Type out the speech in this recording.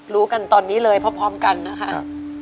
รู้กันตอนนี้เลยเพราะพร้อมกันนะค่ะ